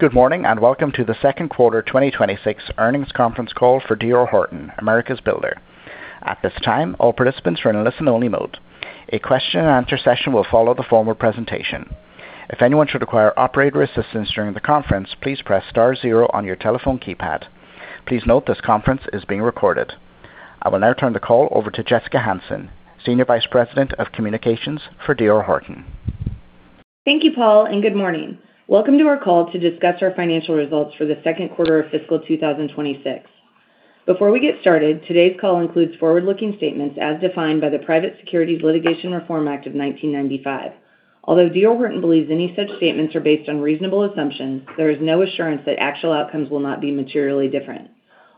Good morning, and welcome to the second quarter 2026 earnings conference call for D.R. Horton, America's Builder. At this time, all participants are in listen-only mode. A question-and-answer session will follow the formal presentation. If anyone should require operator assistance during the conference, please press star zero on your telephone keypad. Please note this conference is being recorded. I will now turn the call over to Jessica Hansen, Senior Vice President of Communications for D.R. Horton. Thank you, Paul, and good morning. Welcome to our call to discuss our financial results for the second quarter of fiscal 2026. Before we get started, today's call includes forward-looking statements as defined by the Private Securities Litigation Reform Act of 1995. Although D.R. Horton believes any such statements are based on reasonable assumptions, there is no assurance that actual outcomes will not be materially different.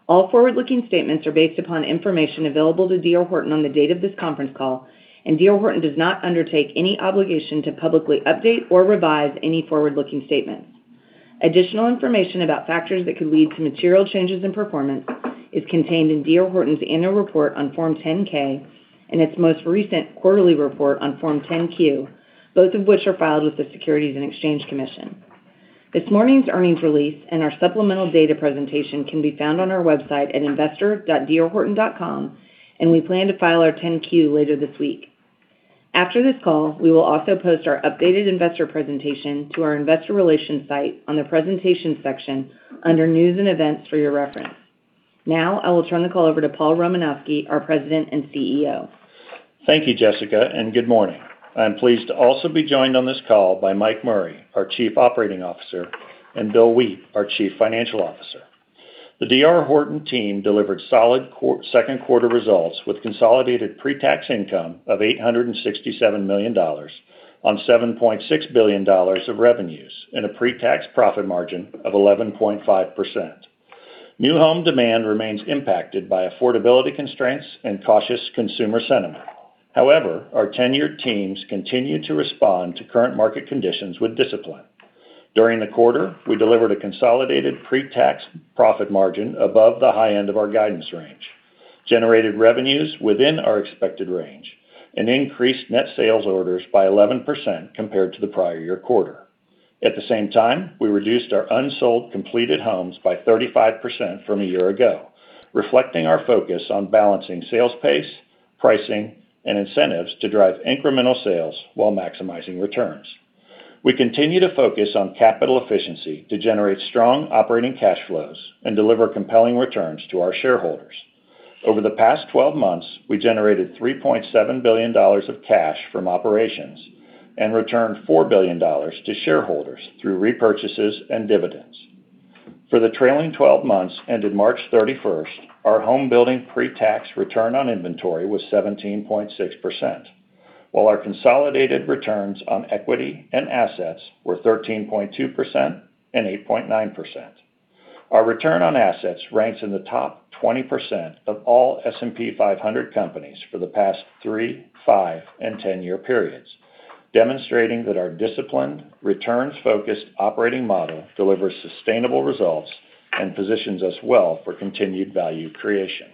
All forward-looking statements are based upon information available to D.R. Horton on the date of this conference call, and D.R. Horton does not undertake any obligation to publicly update or revise any forward-looking statements. Additional information about factors that could lead to material changes in performance is contained in D.R. Horton's annual report on Form 10-K and its most recent quarterly report on Form 10-Q, both of which are filed with the Securities and Exchange Commission. This morning's earnings release and our supplemental data presentation can be found on our website at investor.drhorton.com, and we plan to file our 10-Q later this week. After this call, we will also post our updated investor presentation to our Investor Relations site on the presentation section under News and Events for your reference. Now, I will turn the call over to Paul Romanowski, our President and CEO. Thank you, Jessica, and good morning. I'm pleased to also be joined on this call by Mike Murray, our Chief Operating Officer, and Bill Wheat, our Chief Financial Officer. The D.R. Horton team delivered solid second quarter results with consolidated pre-tax income of $867 million on $7.6 billion of revenues and a pre-tax profit margin of 11.5%. New home demand remains impacted by affordability constraints and cautious consumer sentiment. However, our tenured teams continue to respond to current market conditions with discipline. During the quarter, we delivered a consolidated pre-tax profit margin above the high end of our guidance range, generated revenues within our expected range, and increased net sales orders by 11% compared to the prior year quarter. At the same time, we reduced our unsold completed homes by 35% from a year ago, reflecting our focus on balancing sales pace, pricing, and incentives to drive incremental sales while maximizing returns. We continue to focus on capital efficiency to generate strong operating cash flows and deliver compelling returns to our shareholders. Over the past 12 months, we generated $3.7 billion of cash from operations and returned $4 billion to shareholders through repurchases and dividends. For the trailing 12 months ended March 31st, our home building pre-tax return on inventory was 17.6%, while our consolidated returns on equity and assets were 13.2% and 8.9%. Our return on assets ranks in the top 20% of all S&P 500 companies for the past three, five, and 10-year periods, demonstrating that our disciplined, returns-focused operating model delivers sustainable results and positions us well for continued value creation.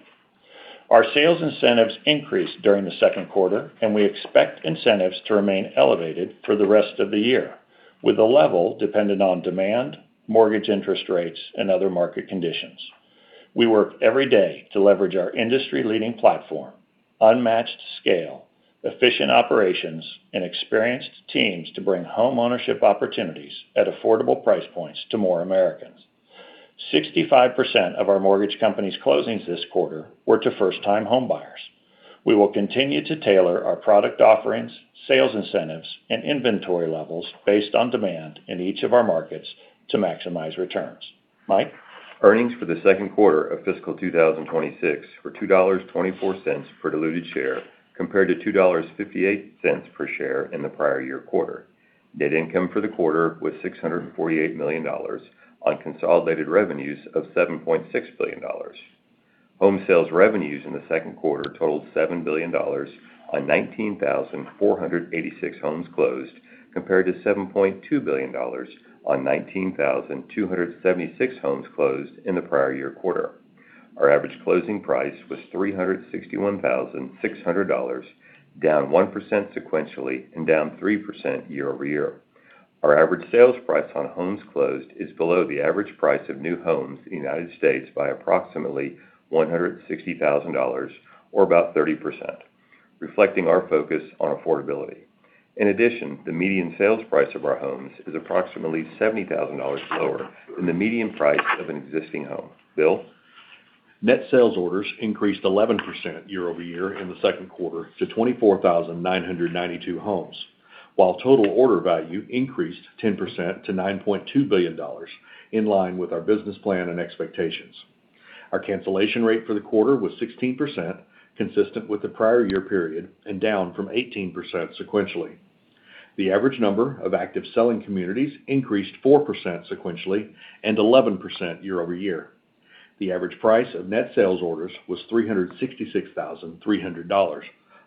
Our sales incentives increased during the second quarter, and we expect incentives to remain elevated for the rest of the year, with the level dependent on demand, mortgage interest rates, and other market conditions. We work every day to leverage our industry-leading platform, unmatched scale, efficient operations, and experienced teams to bring homeownership opportunities at affordable price points to more Americans. 65% of our mortgage company's closings this quarter were to first-time homebuyers. We will continue to tailor our product offerings, sales incentives, and inventory levels based on demand in each of our markets to maximize returns. Mike? Earnings for the second quarter of fiscal 2026 were $2.24 per diluted share compared to $2.58 per share in the prior year quarter. Net income for the quarter was $648 million on consolidated revenues of $7.6 billion. Home sales revenues in the second quarter totaled $7 billion on 19,486 homes closed, compared to $7.2 billion on 19,276 homes closed in the prior year quarter. Our average closing price was $361,600, down 1% sequentially and down 3% year-over-year. Our average sales price on homes closed is below the average price of new homes in the United States by approximately $160,000 or about 30%, reflecting our focus on affordability. In addition, the median sales price of our homes is approximately $70,000 lower than the median price of an existing home. Bill? Net sales orders increased 11% year-over-year in the second quarter to 24,992 homes, while total order value increased 10% to $9.2 billion, in line with our business plan and expectations. Our cancellation rate for the quarter was 16%, consistent with the prior year period and down from 18% sequentially. The average number of active selling communities increased 4% sequentially and 11% year-over-year. The average price of net sales orders was $366,300,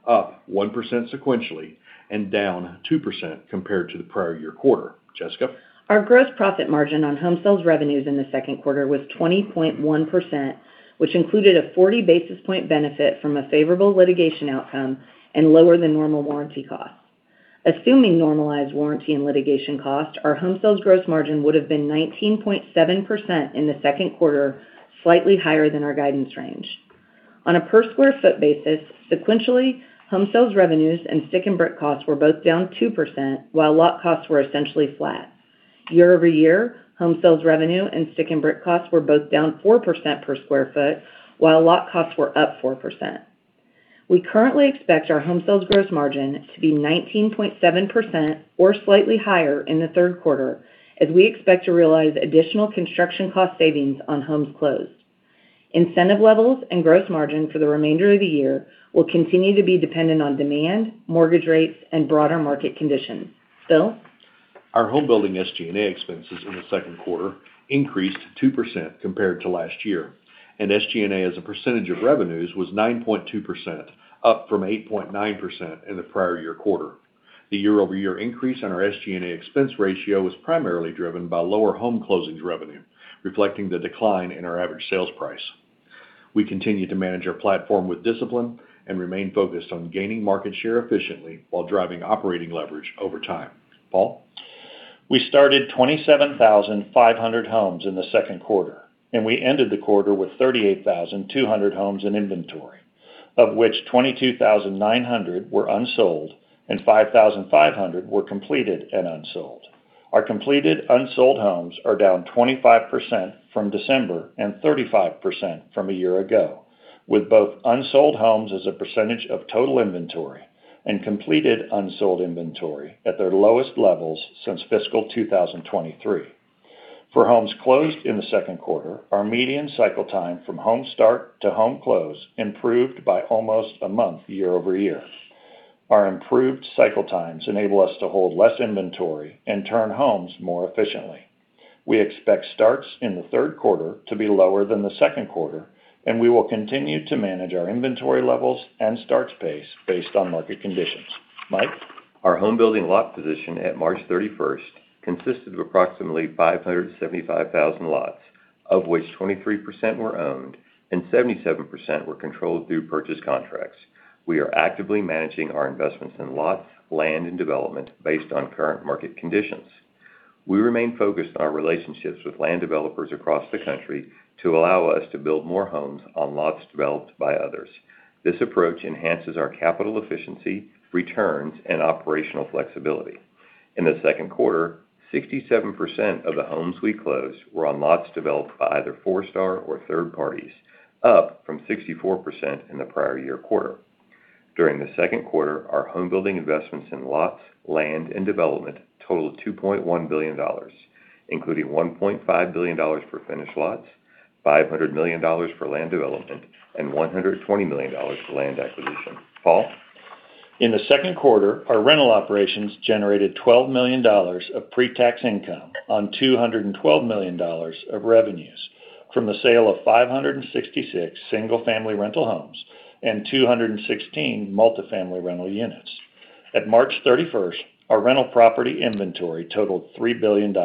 up 1% sequentially and down 2% compared to the prior year quarter. Jessica? Our gross profit margin on home sales revenues in the second quarter was 20.1%, which included a 40 basis point benefit from a favorable litigation outcome and lower than normal warranty costs. Assuming normalized warranty and litigation costs, our home sales gross margin would have been 19.7% in the second quarter, slightly higher than our guidance range. On a per square foot basis, sequentially, home sales revenues and stick and brick costs were both down 2%, while lot costs were essentially flat. Year-over-year, home sales revenue and stick and brick costs were both down 4% per square foot, while lot costs were up 4%. We currently expect our home sales gross margin to be 19.7% or slightly higher in the third quarter, as we expect to realize additional construction cost savings on homes closed. Incentive levels and gross margin for the remainder of the year will continue to be dependent on demand, mortgage rates, and broader market conditions. Bill? Our home building SG&A expenses in the second quarter increased 2% compared to last year, and SG&A as a percentage of revenues was 9.2%, up from 8.9% in the prior year quarter. The year-over-year increase in our SG&A expense ratio was primarily driven by lower home closings revenue, reflecting the decline in our average sales price. We continue to manage our platform with discipline and remain focused on gaining market share efficiently while driving operating leverage over time. Paul? We started 27,500 homes in the second quarter, and we ended the quarter with 38,200 homes in inventory, of which 22,900 were unsold and 5,500 were completed and unsold. Our completed unsold homes are down 25% from December and 35% from a year ago, with both unsold homes as a percentage of total inventory and completed unsold inventory at their lowest levels since fiscal 2023. For homes closed in the second quarter, our median cycle time from home start to home close improved by almost a month year-over-year. Our improved cycle times enable us to hold less inventory and turn homes more efficiently. We expect starts in the third quarter to be lower than the second quarter, and we will continue to manage our inventory levels and starts pace based on market conditions. Mike? Our home building lot position at March 31st consisted of approximately 575,000 lots, of which 23% were owned and 77% were controlled through purchase contracts. We are actively managing our investments in lots, land, and development based on current market conditions. We remain focused on relationships with land developers across the country to allow us to build more homes on lots developed by others. This approach enhances our capital efficiency, returns, and operational flexibility. In the second quarter, 67% of the homes we closed were on lots developed by either Forestar or third parties, up from 64% in the prior year quarter. During the second quarter, our home building investments in lots, land, and development totaled $2.1 billion, including $1.5 billion for finished lots, $500 million for land development, and $120 million for land acquisition. Paul? In the second quarter, our rental operations generated $12 million of pre-tax income on $212 million of revenues from the sale of 566 single-family rental homes and 216 multi-family rental units. At March 31st, our rental property inventory totaled $3 billion,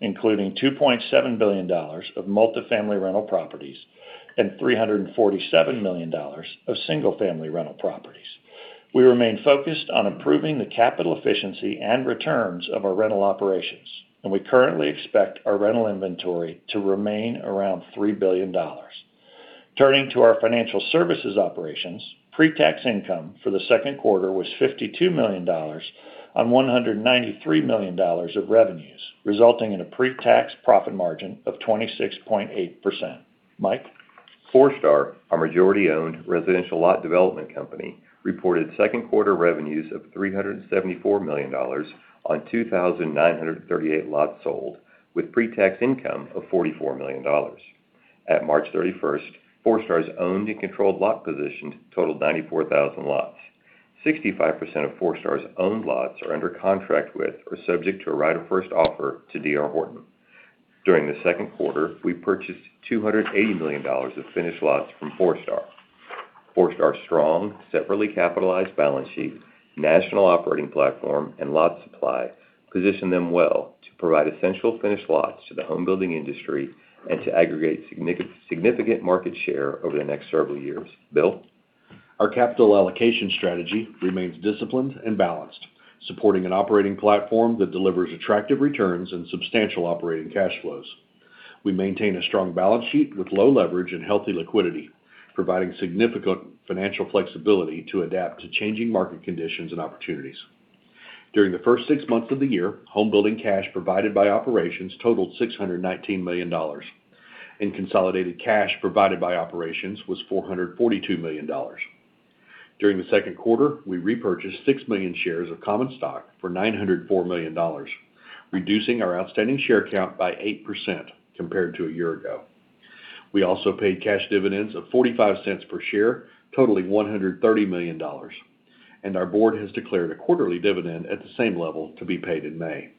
including $2.7 billion of multi-family rental properties and $347 million of single-family rental properties. We remain focused on improving the capital efficiency and returns of our rental operations, and we currently expect our rental inventory to remain around $3 billion. Turning to our financial services operations, pre-tax income for the second quarter was $52 million on $193 million of revenues, resulting in a pre-tax profit margin of 26.8%. Mike? Forestar, our majority-owned residential lot development company, reported second quarter revenues of $374 million on 2,938 lots sold with pre-tax income of $44 million. At March 31st, Forestar's owned and controlled lot positions totaled 94,000 lots. 65% of Forestar's owned lots are under contract with or subject to a right of first offer to D.R. Horton. During the second quarter, we purchased $280 million of finished lots from Forestar. Forestar's strong, separately capitalized balance sheet, national operating platform, and lot supply position them well to provide essential finished lots to the home building industry and to aggregate significant market share over the next several years. Bill? Our capital allocation strategy remains disciplined and balanced, supporting an operating platform that delivers attractive returns and substantial operating cash flows. We maintain a strong balance sheet with low leverage and healthy liquidity, providing significant financial flexibility to adapt to changing market conditions and opportunities. During the first six months of the year, home building cash provided by operations totaled $619 million, and consolidated cash provided by operations was $442 million. During the second quarter, we repurchased 6 million shares of common stock for $904 million, reducing our outstanding share count by 8% compared to a year ago. We also paid cash dividends of $0.45 per share, totaling $130 million. Our board has declared a quarterly dividend at the same level to be paid in May.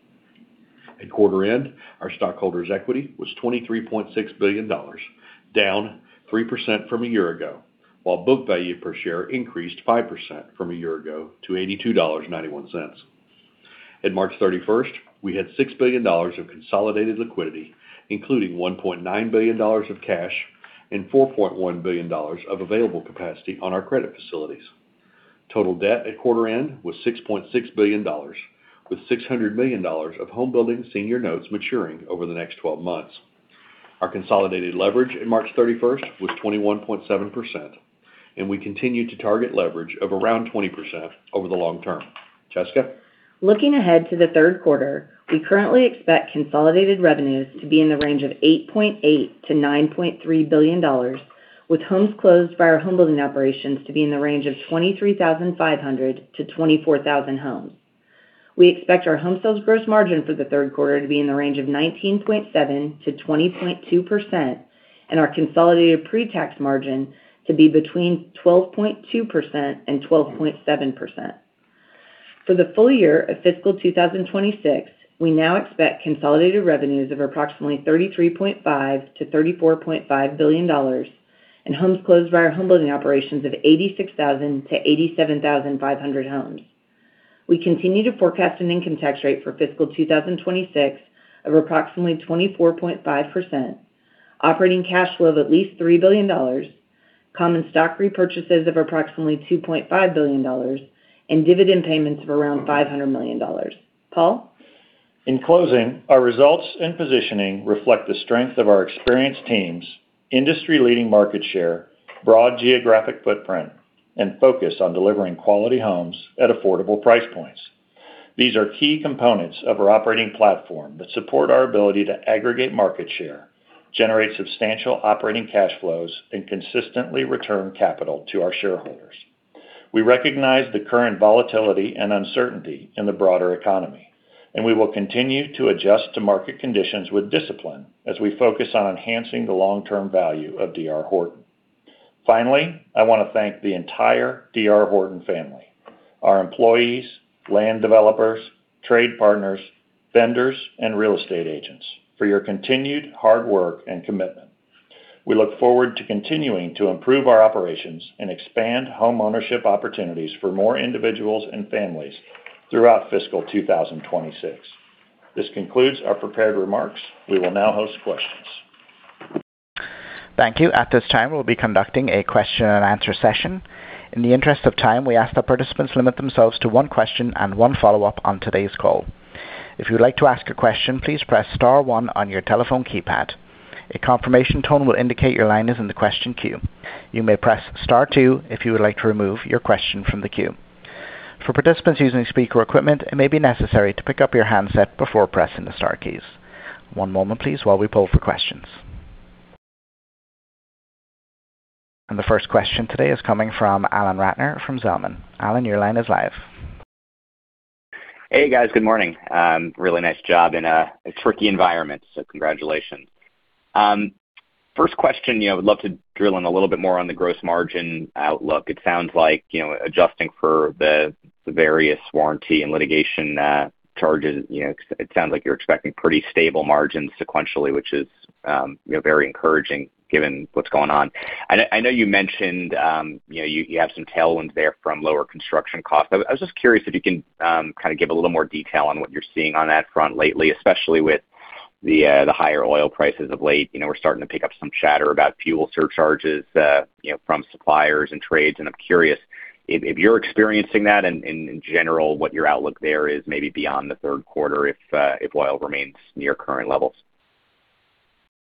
At quarter end, our stockholders' equity was $23.6 billion, down 3% from a year ago, while book value per share increased 5% from a year ago to $82.91. At March 31st, we had $6 billion of consolidated liquidity, including $1.9 billion of cash and $4.1 billion of available capacity on our credit facilities. Total debt at quarter end was $6.6 billion, with $600 million of home building senior notes maturing over the next 12 months. Our consolidated leverage at March 31st was 21.7%, and we continue to target leverage of around 20% over the long term. Jessica? Looking ahead to the third quarter, we currently expect consolidated revenues to be in the range of $8.8 billion-$9.3 billion, with homes closed by our home building operations to be in the range of 23,500-24,000 homes. We expect our home sales gross margin for the third quarter to be in the range of 19.7%-20.2%, and our consolidated pre-tax margin to be between 12.2% and 12.7%. For the full year of fiscal 2026, we now expect consolidated revenues of approximately $33.5 billion-$34.5 billion and homes closed by our home building operations of 86,000-87,500 homes. We continue to forecast an income tax rate for fiscal 2026 of approximately 24.5%, operating cash flow of at least $3 billion, common stock repurchases of approximately $2.5 billion, and dividend payments of around $500 million. Paul? In closing, our results and positioning reflect the strength of our experienced teams, industry-leading market share, broad geographic footprint, and focus on delivering quality homes at affordable price points. These are key components of our operating platform that support our ability to aggregate market share, generate substantial operating cash flows, and consistently return capital to our shareholders. We recognize the current volatility and uncertainty in the broader economy, and we will continue to adjust to market conditions with discipline as we focus on enhancing the long-term value of D.R. Horton. Finally, I want to thank the entire D.R. Horton family, our employees, land developers, trade partners, vendors, and real estate agents for your continued hard work and commitment. We look forward to continuing to improve our operations and expand home ownership opportunities for more individuals and families throughout fiscal 2026. This concludes our prepared remarks. We will now host questions. Thank you. At this time, we'll be conducting a question-and-answer session. In the interest of time, we ask that participants limit themselves to one question and one follow-up on today's call. If you'd like to ask a question, please press star one on your telephone keypad. A confirmation tone will indicate your line is in the question queue. You may press star two if you would like to remove your question from the queue. For participants using speaker equipment, it may be necessary to pick up your handset before pressing the star keys. One moment please while we poll for questions. The first question today is coming from Alan Ratner from Zelman. Alan, your line is live. Hey, guys. Good morning. Really nice job in a tricky environment, so congratulations. First question. Would love to drill in a little bit more on the gross margin outlook. It sounds like, adjusting for the various warranty and litigation charges, it sounds like you're expecting pretty stable margins sequentially, which is very encouraging given what's going on. I know you mentioned you have some tailwinds there from lower construction costs. I was just curious if you can give a little more detail on what you're seeing on that front lately, especially with the higher oil prices of late. We're starting to pick up some chatter about fuel surcharges from suppliers and trades. I'm curious if you're experiencing that and in general, what your outlook there is maybe beyond the third quarter if oil remains near current levels.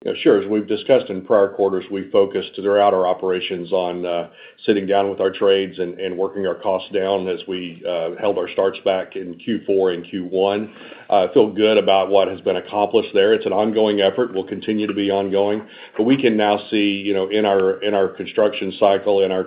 Yeah, sure. As we've discussed in prior quarters, we focused throughout our operations on sitting down with our trades and working our costs down as we held our starts back in Q4 and Q1. Feel good about what has been accomplished there. It's an ongoing effort, will continue to be ongoing, but we can now see in our construction cycle, in our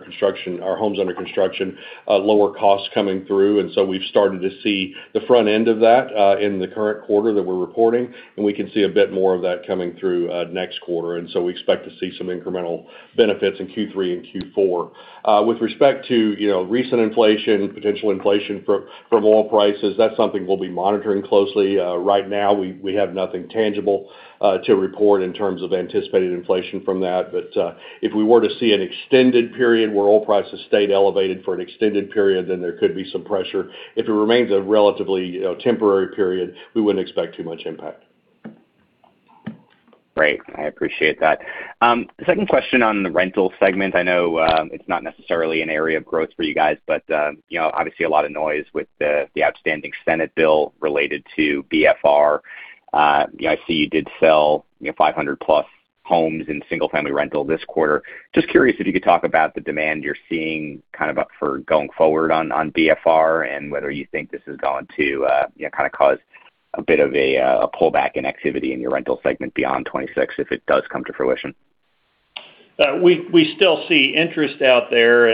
homes under construction, lower costs coming through. We've started to see the front end of that in the current quarter that we're reporting, and we can see a bit more of that coming through next quarter. We expect to see some incremental benefits in Q3 and Q4. With respect to recent inflation, potential inflation from oil prices, that's something we'll be monitoring closely. Right now, we have nothing tangible to report in terms of anticipated inflation from that. If we were to see an extended period where oil prices stayed elevated for an extended period, then there could be some pressure. If it remains a relatively temporary period, we wouldn't expect too much impact. Great. I appreciate that. Second question on the rental segment. I know it's not necessarily an area of growth for you guys, but obviously a lot of noise with the outstanding Senate bill related to BFR. I see you did sell 500+ homes in single-family rental this quarter. Just curious if you could talk about the demand you're seeing for going forward on BFR and whether you think this is going to cause a bit of a pullback in activity in your rental segment beyond 2026, if it does come to fruition. We still see interest out there,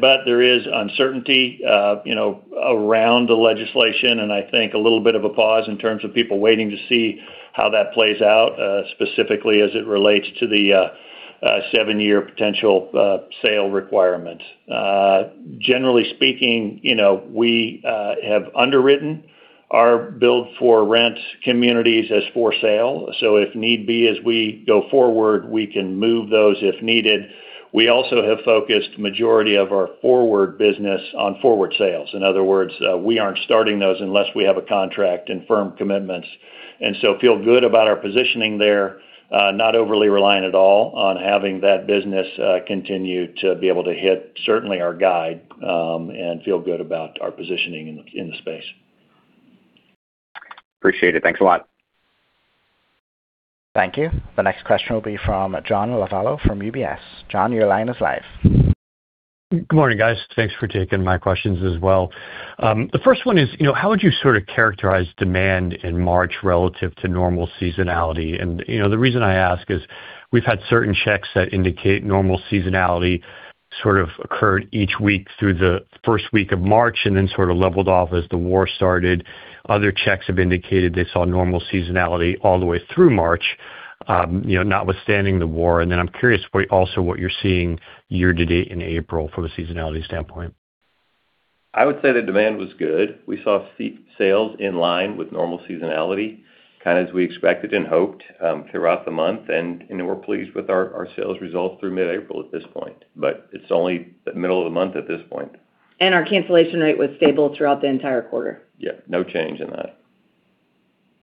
but there is uncertainty around the legislation, and I think a little bit of a pause in terms of people waiting to see how that plays out, specifically as it relates to the seven-year potential sale requirement. Generally speaking, we have underwritten our build for rent communities as for sale. If need be, as we go forward, we can move those if needed. We also have focused the majority of our forward business on forward sales. In other words, we aren't starting those unless we have a contract and firm commitments. Feel good about our positioning there, not overly reliant at all on having that business continue to be able to hit, certainly our guide, and feel good about our positioning in the space. Appreciate it. Thanks a lot. Thank you. The next question will be from John Lovallo from UBS. John, your line is live. Good morning, guys. Thanks for taking my questions as well. The first one is, how would you sort of characterize demand in March relative to normal seasonality? The reason I ask is, we've had certain checks that indicate normal seasonality sort of occurred each week through the first week of March and then sort of leveled off as the war started. Other checks have indicated they saw normal seasonality all the way through March, notwithstanding the war. Then I'm curious also what you're seeing year to date in April from a seasonality standpoint? I would say the demand was good. We saw sales in line with normal seasonality, kind of as we expected and hoped, throughout the month, and we're pleased with our sales results through mid-April at this point. It's only the middle of the month at this point. Our cancellation rate was stable throughout the entire quarter. Yeah, no change in that.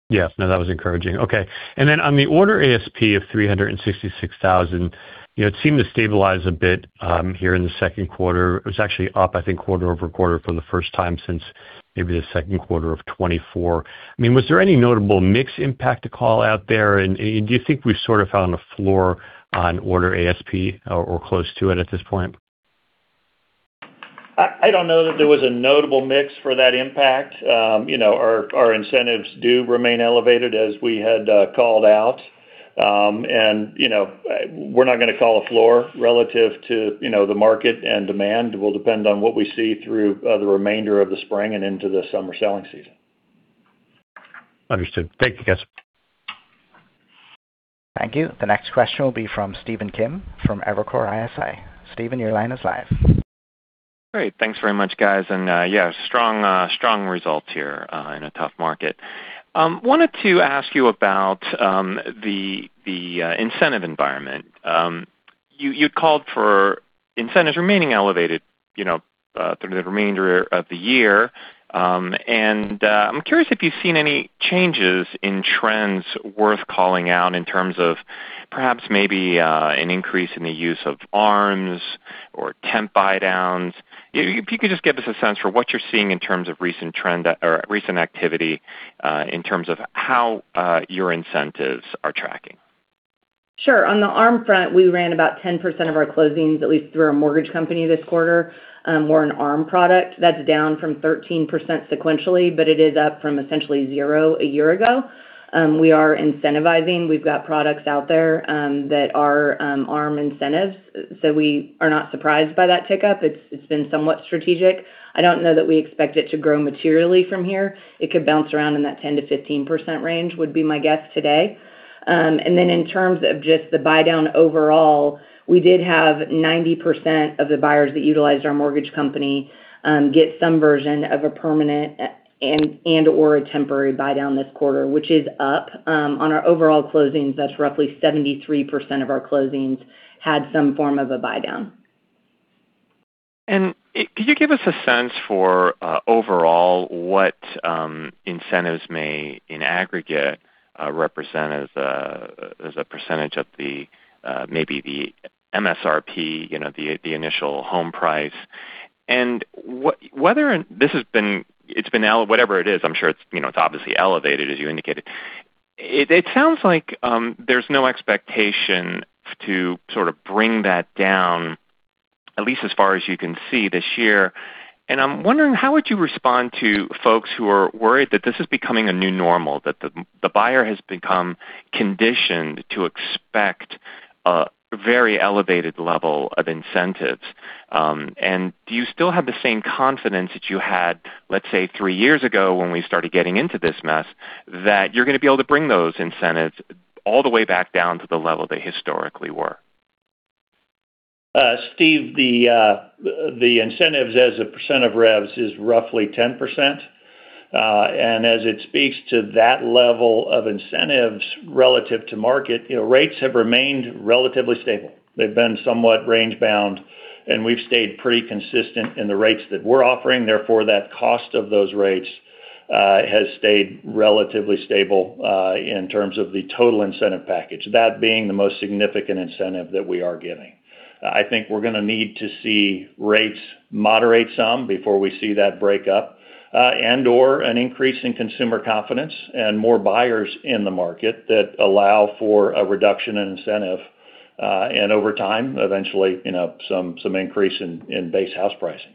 Yes. No, that was encouraging. Okay. On the order ASP of $366,000, it seemed to stabilize a bit, here in the second quarter. It was actually up, I think, quarter-over-quarter for the first time since maybe the second quarter of 2024. Was there any notable mix impact to call out there? Do you think we've sort of found a floor on order ASP or close to it at this point? I don't know that there was a notable mix for that impact. Our incentives do remain elevated as we had called out. We're not going to call a floor relative to the market and demand. It will depend on what we see through the remainder of the spring and into the summer selling season. Understood. Thank you, guys. Thank you. The next question will be from Stephen Kim from Evercore ISI. Stephen, your line is live. Great. Thanks very much, guys. Yeah, strong result here in a tough market. I wanted to ask you about the incentive environment. You had called for incentives remaining elevated through the remainder of the year. I'm curious if you've seen any changes in trends worth calling out in terms of perhaps maybe an increase in the use of ARMs or temp buydowns. If you could just give us a sense for what you're seeing in terms of recent trend or recent activity in terms of how your incentives are tracking. Sure. On the ARM front, we ran about 10% of our closings, at least through our mortgage company this quarter, were an ARM product. That's down from 13% sequentially, but it is up from essentially zero a year ago. We are incentivizing. We've got products out there that are ARM incentives. We are not surprised by that tick up. It's been somewhat strategic. I don't know that we expect it to grow materially from here. It could bounce around in that 10%-15% range, would be my guess today. In terms of just the buydown overall, we did have 90% of the buyers that utilized our mortgage company get some version of a permanent and/or a temporary buydown this quarter, which is up. On our overall closings, that's roughly 73% of our closings had some form of a buydown. Could you give us a sense for, overall, what incentives may, in aggregate, represent as a percentage of maybe the MSRP, the initial home price? Whether this has been whatever it is, I'm sure it's obviously elevated, as you indicated. It sounds like there's no expectation to sort of bring that down, at least as far as you can see this year. I'm wondering how would you respond to folks who are worried that this is becoming a new normal, that the buyer has become conditioned to expect a very elevated level of incentives? Do you still have the same confidence that you had, let's say, three years ago when we started getting into this mess, that you're going to be able to bring those incentives all the way back down to the level they historically were? Stephen, the incentives as a percent of revs is roughly 10%. As it speaks to that level of incentives relative to market, rates have remained relatively stable. They've been somewhat range-bound, and we've stayed pretty consistent in the rates that we're offering. Therefore, that cost of those rates has stayed relatively stable, in terms of the total incentive package. That being the most significant incentive that we are giving. I think we're going to need to see rates moderate some before we see that break up, and/or an increase in consumer confidence and more buyers in the market that allow for a reduction in incentive, and over time, eventually, some increase in base house pricing.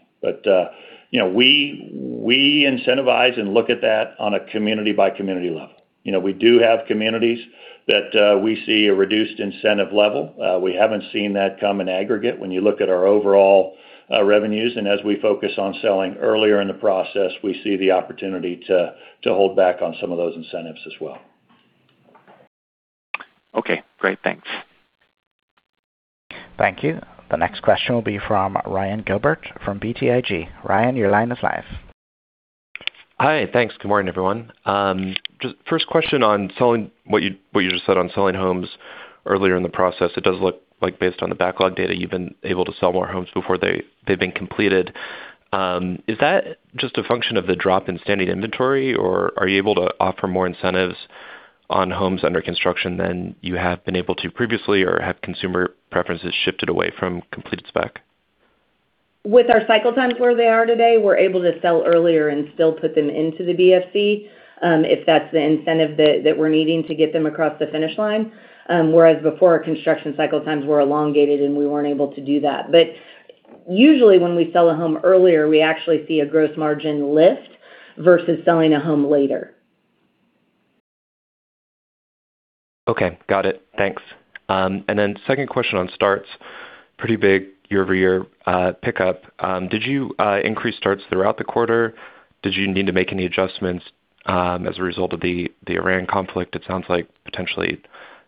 We incentivize and look at that on a community-by-community level. We do have communities that we see a reduced incentive level. We haven't seen that come in aggregate when you look at our overall revenues, and as we focus on selling earlier in the process, we see the opportunity to hold back on some of those incentives as well. Okay, great. Thanks. Thank you. The next question will be from Ryan Gilbert from BTIG. Ryan, your line is live. Hi. Thanks. Good morning, everyone. Just first question on what you just said on selling homes earlier in the process, it does look like based on the backlog data, you've been able to sell more homes before they've been completed. Is that just a function of the drop in standing inventory, or are you able to offer more incentives on homes under construction than you have been able to previously? Or have consumer preferences shifted away from completed spec? With our cycle times where they are today, we're able to sell earlier and still put them into the BFC, if that's the incentive that we're needing to get them across the finish line. Whereas before, our construction cycle times were elongated, and we weren't able to do that. Usually, when we sell a home earlier, we actually see a gross margin lift versus selling a home later. Okay. Got it. Thanks. Second question on starts. Pretty big year-over-year pickup. Did you increase starts throughout the quarter? Did you need to make any adjustments as a result of the Iran conflict? It sounds like potentially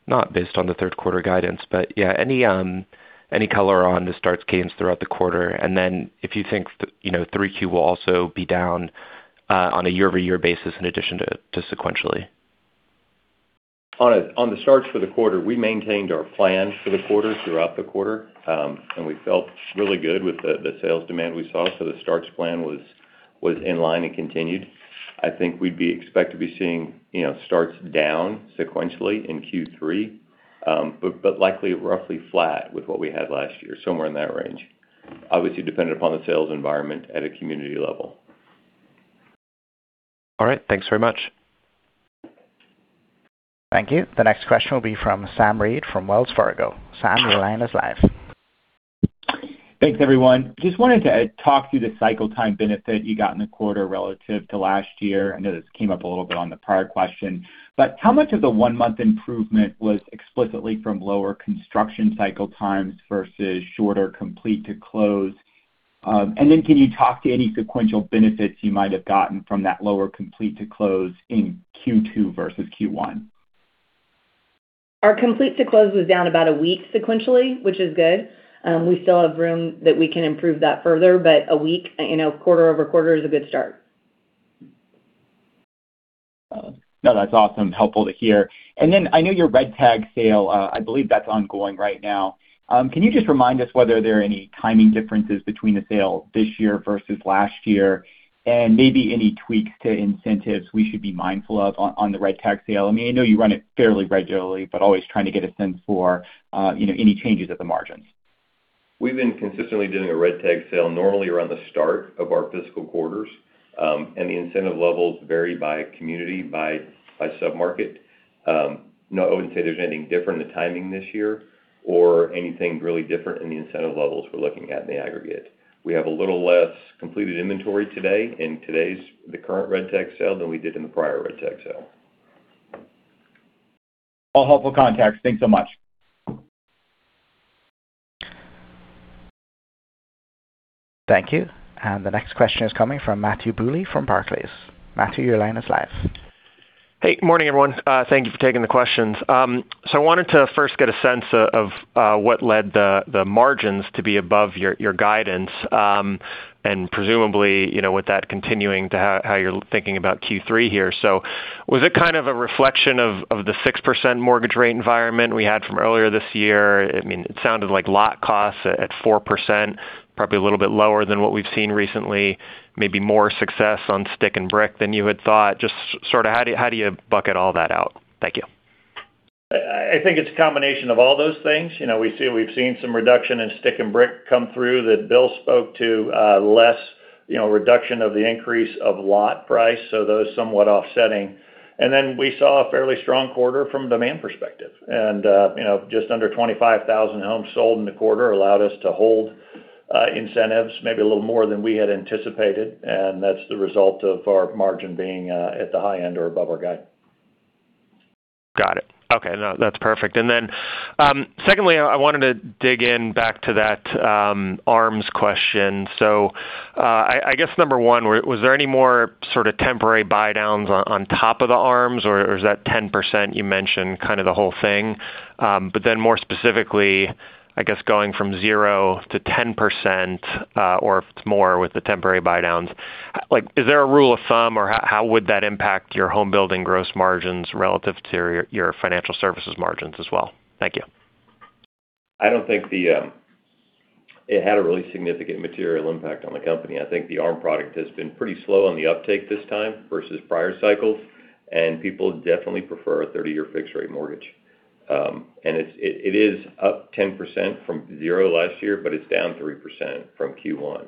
not based on the third quarter guidance, but yeah, any color on the starts gains throughout the quarter, and then if you think 3Q will also be down on a year-over-year basis in addition to sequentially. On the starts for the quarter, we maintained our plan for the quarter throughout the quarter, and we felt really good with the sales demand we saw. The starts plan was in line and continued. I think we'd expect to be seeing starts down sequentially in Q3, but likely roughly flat with what we had last year, somewhere in that range. Obviously, dependent upon the sales environment at a community level. All right. Thanks very much. Thank you. The next question will be from Sam Reid from Wells Fargo. Sam, your line is live. Thanks, everyone. Just wanted to talk through the cycle time benefit you got in the quarter relative to last year. I know this came up a little bit on the prior question, but how much of the one-month improvement was explicitly from lower construction cycle times versus shorter complete to close? And then can you talk to any sequential benefits you might have gotten from that lower complete to close in Q2 versus Q1? Our complete to close was down about a week sequentially, which is good. We still have room that we can improve that further, but a week, quarter-over-quarter is a good start. No, that's awesome. Helpful to hear. I know your Red Tag Sale, I believe that's ongoing right now. Can you just remind us whether there are any timing differences between the sale this year versus last year, and maybe any tweaks to incentives we should be mindful of on the Red Tag Sale? I know you run it fairly regularly, but always trying to get a sense for any changes at the margins. We've been consistently doing a Red Tag Sale normally around the start of our fiscal quarters, and the incentive levels vary by community, by sub-market. No, I wouldn't say there's anything different in the timing this year or anything really different in the incentive levels we're looking at in the aggregate. We have a little less completed inventory today in the current Red Tag Sale than we did in the prior Red Tag Sale. All helpful context. Thanks so much. Thank you. The next question is coming from Matthew Bouley from Barclays. Matthew, your line is live. Hey. Morning, everyone. Thank you for taking the questions. I wanted to first get a sense of what led the margins to be above your guidance, and presumably, with that continuing into how you're thinking about Q3 here. Was it kind of a reflection of the 6% mortgage rate environment we had from earlier this year? It sounded like lot costs at 4%, probably a little bit lower than what we've seen recently, maybe more success on stick and brick than you had thought. Just sort of how do you bucket all that out? Thank you. I think it's a combination of all those things. We've seen some reduction in stick and brick come through that Bill spoke to, less reduction of the increase of lot price. Those somewhat offsetting. We saw a fairly strong quarter from demand perspective. Just under 25,000 homes sold in the quarter allowed us to hold incentives, maybe a little more than we had anticipated, and that's the result of our margin being at the high end or above our guide. Got it. Okay. No, that's perfect. Then, secondly, I wanted to dig in back to that ARMs question. I guess number one, was there any more sort of temporary buydowns on top of the ARMs, or is that 10% you mentioned kind of the whole thing? More specifically, I guess going from 0% to 10% or if it's more with the temporary buydowns, is there a rule of thumb or how would that impact your home building gross margins relative to your financial services margins as well? Thank you. I don't think it had a really significant material impact on the company. I think the ARM product has been pretty slow on the uptake this time versus prior cycles, and people definitely prefer a 30-year fixed rate mortgage. It is up 10% from 0% last year, but it's down 3% from Q1.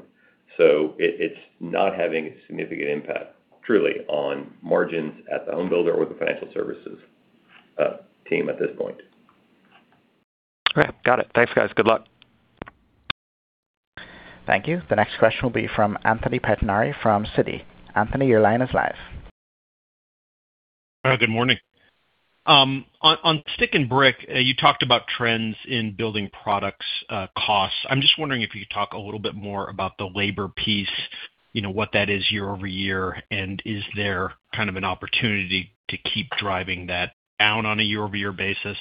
It's not having a significant impact, truly, on margins at the home builder or the financial services team at this point. Okay. Got it. Thanks, guys. Good luck. Thank you. The next question will be from Anthony Pettinari from Citi. Anthony, your line is live. Good morning. On stick and brick, you talked about trends in building products costs. I'm just wondering if you could talk a little bit more about the labor piece, what that is year-over-year, and is there kind of an opportunity to keep driving that down on a year-over-year basis,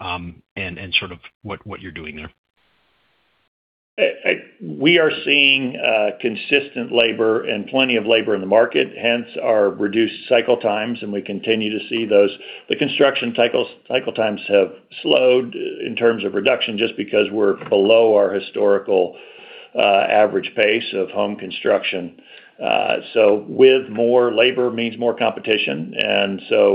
and sort of what you're doing there? We are seeing consistent labor and plenty of labor in the market, hence our reduced cycle times, and we continue to see those. The construction cycle times have slowed in terms of reduction just because we're below our historical average pace of home construction. With more labor means more competition.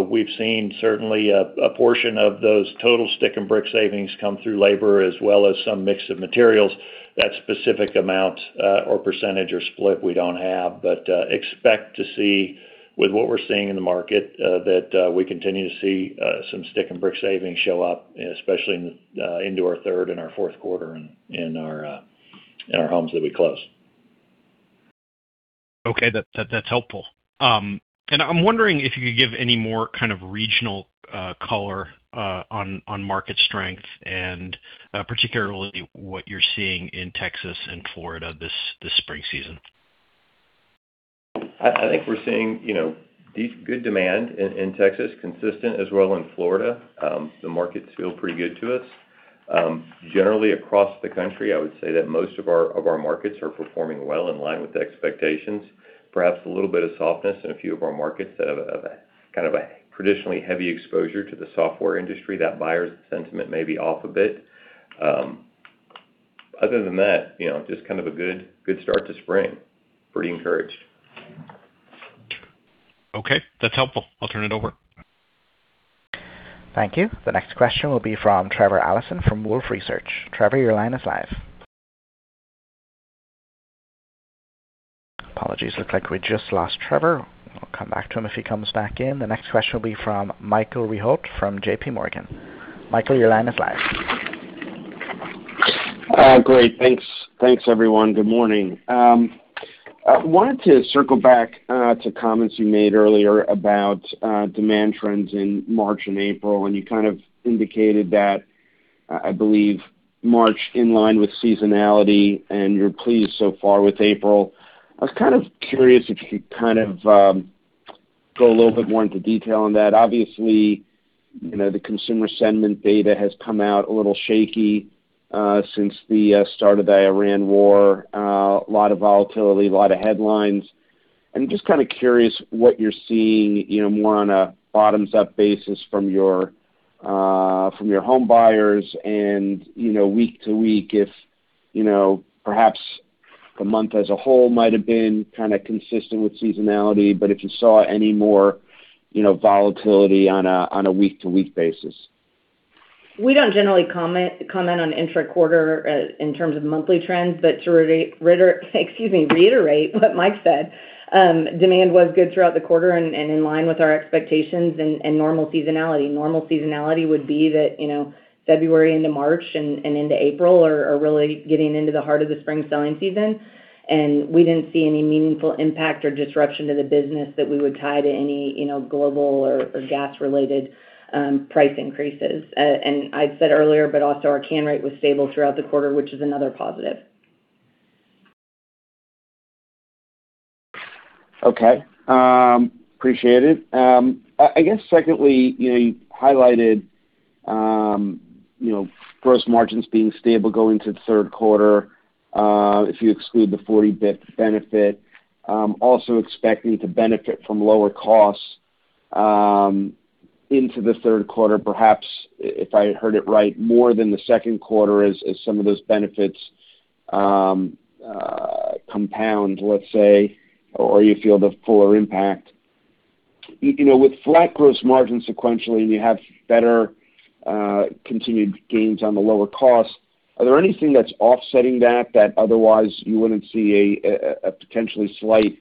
We've seen certainly a portion of those total stick and brick savings come through labor as well as some mix of materials. That specific amount or percentage or split, we don't have. Expect to see with what we're seeing in the market, that we continue to see some stick and brick savings show up, especially into our third and our fourth quarter in our homes that we close. Okay. That's helpful. I'm wondering if you could give any more kind of regional color on market strength and particularly what you're seeing in Texas and Florida this spring season. I think we're seeing decent demand in Texas, consistent as well in Florida. The markets feel pretty good to us. Generally across the country, I would say that most of our markets are performing well in line with the expectations. Perhaps a little bit of softness in a few of our markets that have kind of a traditionally heavy exposure to the software industry. That buyers' sentiment may be off a bit. Other than that, just kind of a good start to spring. Pretty encouraged. Okay, that's helpful. I'll turn it over. Thank you. The next question will be from Trevor Allinson from Wolfe Research. Trevor, your line is live. Apologies. Looks like we just lost Trevor. We'll come back to him if he comes back in. The next question will be from Michael Rehaut from JPMorgan. Michael, your line is live. Great. Thanks, everyone. Good morning. I wanted to circle back to comments you made earlier about demand trends in March and April, and you kind of indicated that, I believe March in line with seasonality, and you're pleased so far with April. I was kind of curious if you could kind of go a little bit more into detail on that. Obviously, the consumer sentiment data has come out a little shaky since the start of the Iran war. A lot of volatility, a lot of headlines, and I'm just kind of curious what you're seeing, more on a bottoms-up basis from your home buyers and week to week if perhaps the month as a whole might have been kind of consistent with seasonality, but if you saw any more volatility on a week-to-week basis. We don't generally comment on intra-quarter in terms of monthly trends. To reiterate what Mike said, demand was good throughout the quarter and in line with our expectations and normal seasonality. Normal seasonality would be that February into March and into April are really getting into the heart of the spring selling season. We didn't see any meaningful impact or disruption to the business that we would tie to any global or gas-related price increases. I said earlier, but also our cancel rate was stable throughout the quarter, which is another positive. Okay. Appreciate it. I guess secondly, you highlighted gross margins being stable going to the third quarter if you exclude the 40 basis points benefit. Also expecting to benefit from lower costs into the third quarter, perhaps, if I heard it right, more than the second quarter as some of those benefits compound, let's say, or you feel the fuller impact. With flat gross margins sequentially and you have better continued gains on the lower cost, are there anything that's offsetting that otherwise you wouldn't see a potentially slight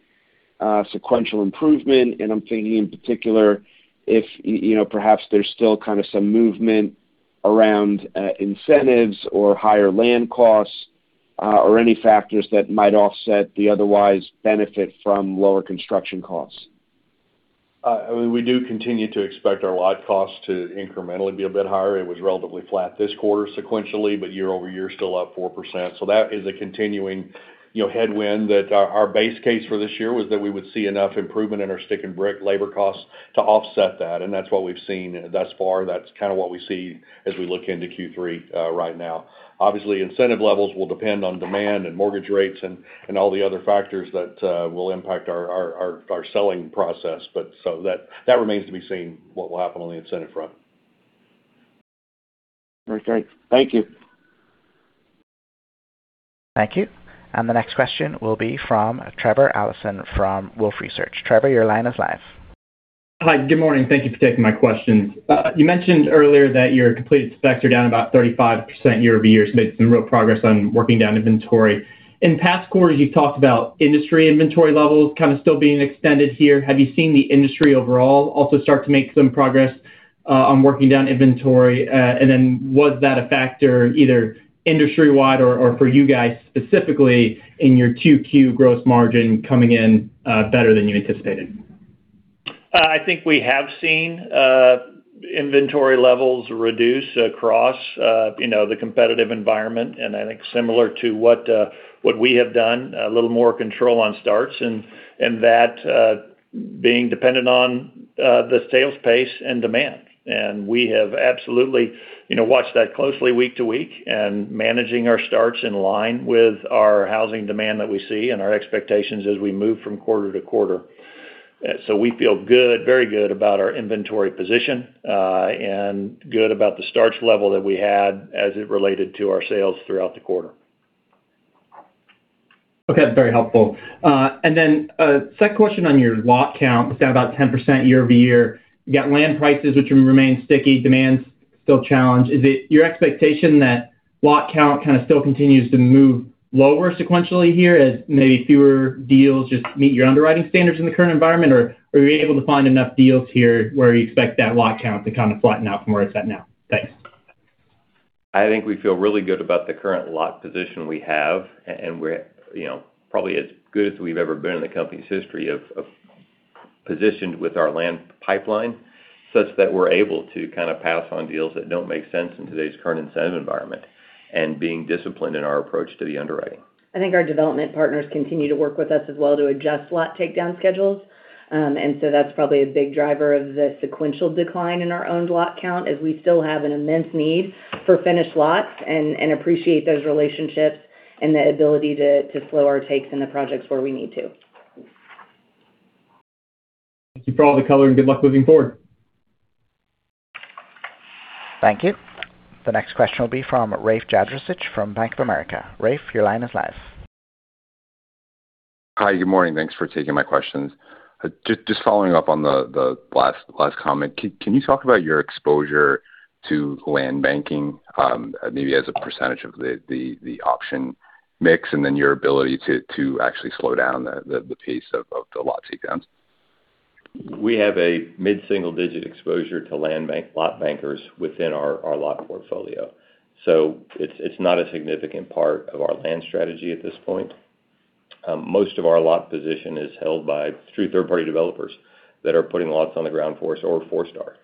sequential improvement? I'm thinking in particular if perhaps there's still kind of some movement around incentives or higher land costs or any factors that might offset the otherwise benefit from lower construction costs. We do continue to expect our lot costs to incrementally be a bit higher. It was relatively flat this quarter sequentially, but year-over-year, still up 4%. That is a continuing headwind that our base case for this year was that we would see enough improvement in our stick and brick labor costs to offset that, and that's what we've seen thus far. That's kind of what we see as we look into Q3 right now. Obviously, incentive levels will depend on demand and mortgage rates and all the other factors that will impact our selling process. That remains to be seen, what will happen on the incentive front. Okay. Thank you. Thank you. The next question will be from Trevor Allinson from Wolfe Research. Trevor, your line is live. Hi. Good morning. Thank you for taking my questions. You mentioned earlier that your completed specs are down about 35% year-over-year, so made some real progress on working down inventory. In past quarters, you've talked about industry inventory levels kind of still being extended here. Have you seen the industry overall also start to make some progress on working down inventory? Was that a factor either industry-wide or for you guys specifically in your 2Q gross margin coming in better than you anticipated? I think we have seen inventory levels reduce across the competitive environment, and I think similar to what we have done, a little more control on starts and that being dependent on the sales pace and demand. We have absolutely watched that closely week to week and managing our starts in line with our housing demand that we see and our expectations as we move from quarter to quarter. We feel very good about our inventory position, and good about the starts level that we had as it related to our sales throughout the quarter. Okay. Very helpful. A second question on your lot count. It's down about 10% year-over-year. You got land prices which remain sticky, demand's still challenged. Is it your expectation that lot count kind of still continues to move lower sequentially here as maybe fewer deals just meet your underwriting standards in the current environment? Or are you able to find enough deals here where you expect that lot count to kind of flatten out from where it's at now? Thanks. I think we feel really good about the current lot position we have, and we're probably as good as we've ever been in the company's history as positioned with our land pipeline, such that we're able to kind of pass on deals that don't make sense in today's current incentive environment and being disciplined in our approach to the underwriting. I think our development partners continue to work with us as well to adjust lot takedown schedules. That's probably a big driver of the sequential decline in our own lot count, as we still have an immense need for finished lots, and appreciate those relationships and the ability to slow our takes in the projects where we need to. Thank you for all the color, and good luck moving forward. Thank you. The next question will be from Rafe Jadrosich from Bank of America. Rafe, your line is live. Hi. Good morning. Thanks for taking my questions. Just following up on the last comment. Can you talk about your exposure to land banking, maybe as a percentage of the option mix? Then your ability to actually slow down the pace of the lot takedowns? We have a mid-single-digit exposure to lot bankers within our lot portfolio. It's not a significant part of our land strategy at this point. Most of our lot position is held by true third-party developers that are putting lots on the ground for us or Forestar.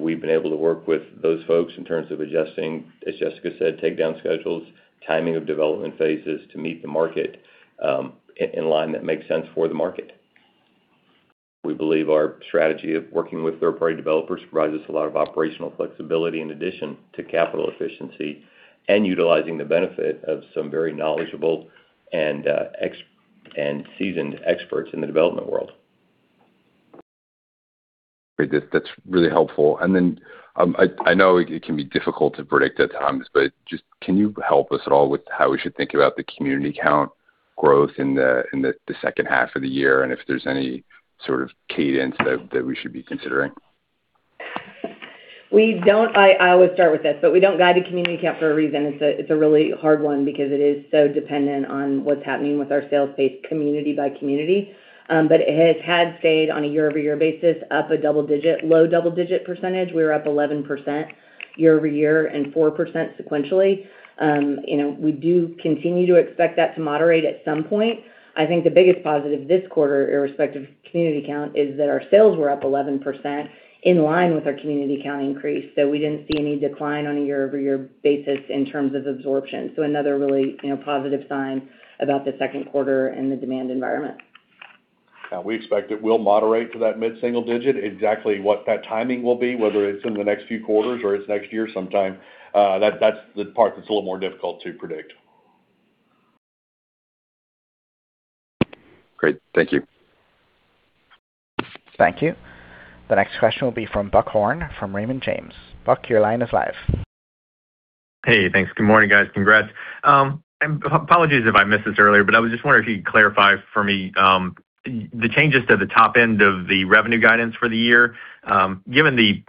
We've been able to work with those folks in terms of adjusting, as Jessica said, takedown schedules, timing of development phases to meet the market, in line that makes sense for the market. We believe our strategy of working with third-party developers provides us a lot of operational flexibility in addition to capital efficiency, and utilizing the benefit of some very knowledgeable and seasoned experts in the development world. Great. That's really helpful. I know it can be difficult to predict at times, but just can you help us at all with how we should think about the community count growth in the second half of the year, and if there's any sort of cadence that we should be considering? We don't. I always start with this, but we don't guide a community count for a reason. It's a really hard one because it is so dependent on what's happening with our sales pace community by community. It has stayed on a year-over-year basis, up a low double-digit percentage. We were up 11% year-over-year and 4% sequentially. We do continue to expect that to moderate at some point. I think the biggest positive this quarter, irrespective of community count, is that our sales were up 11% in line with our community count increase. We didn't see any decline on a year-over-year basis in terms of absorption. Another really positive sign about the second quarter and the demand environment. Yeah, we expect it will moderate to that mid-single digit. Exactly what that timing will be, whether it's in the next few quarters or it's next year sometime, that's the part that's a little more difficult to predict. Great. Thank you. Thank you. The next question will be from Buck Horne, from Raymond James. Buck, your line is live. Hey, thanks. Good morning, guys. Congrats. Apologies if I missed this earlier, but I was just wondering if you could clarify for me the changes to the top end of the revenue guidance for the year. Given the